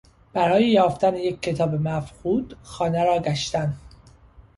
برای یافتن یک کتاب مفقود خانه را گشتن